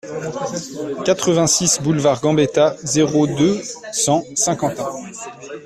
quatre-vingt-six boulevard Gambetta, zéro deux, cent, Saint-Quentin